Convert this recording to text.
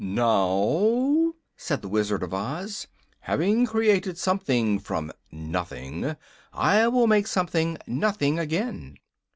"Now," said the Wizard of Oz, "having created something from nothing, I will make something nothing again."